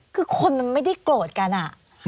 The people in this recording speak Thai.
เขาก็รายงานตามข้อคริชจริงที่ปรากฏ